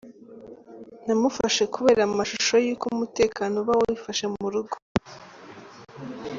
Namufashe kubera amashusho y’uko umutekano uba wifashe mu rugo.